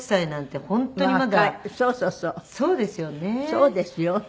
そうですよね。